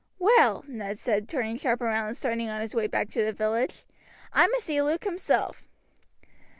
"Well," Ned said, turning sharp round and starting on his way back to the village, "I must see Luke himself."